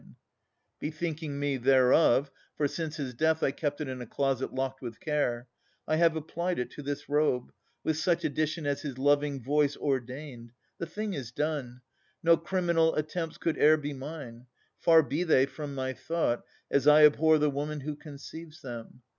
Whereof bethinking me, for since his death I kept it in a closet locked with care, I have applied it to this robe, with such Addition as his living voice ordained. The thing is done. No criminal attempts Could e'er be mine. Far be they from my thought, As I abhor the woman who conceives them!